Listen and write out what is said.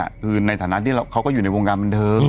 คือท่านัดตั้งคู่เขาก็อยู่ในวงการบันทึง